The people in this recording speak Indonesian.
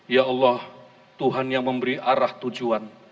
ya allah tuhan yang memberi arah tujuan